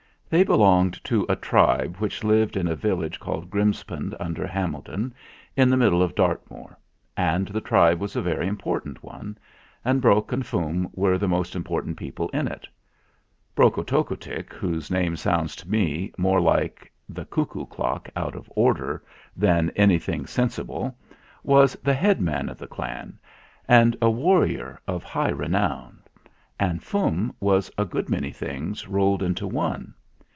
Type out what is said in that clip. They belonged to a tribe which lived in a village called Grimspound, under Hameldon in the middle of Dartmoor; and the tribe was a very important one, and Brok and Fum were the most important people in it. Brokotocko tick whose name sounds to me more like the i8 THE FLINT HEART cuckoo clock out of order than anything sensi ble was the head man of the clan, and a warrior of high renown, and Fum was a good many things rolled into one.